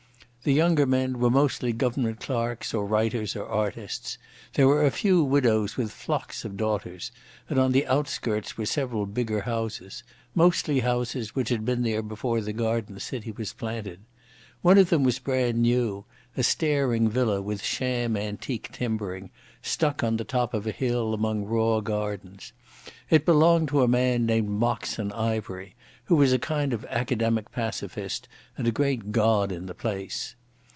The younger men were mostly Government clerks or writers or artists. There were a few widows with flocks of daughters, and on the outskirts were several bigger houses—mostly houses which had been there before the garden city was planted. One of them was brand new, a staring villa with sham antique timbering, stuck on the top of a hill among raw gardens. It belonged to a man called Moxon Ivery, who was a kind of academic pacificist and a great god in the place.